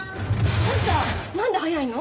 あんた何で早いの？